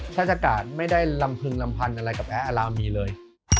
ชาติศักดิ์อาการไม่ได้ลำพึงลำพันอะไรกับแอลอารามีเลย